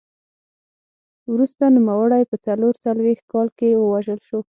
وروسته نوموړی په څلور څلوېښت کال کې ووژل شو